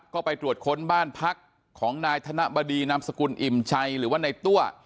ก็ไปตรวจค้นบ้านพักของนายธนบดีนามสกุลอิ่มชัยหรือว่าในตัว